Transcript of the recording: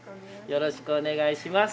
よろしくお願いします。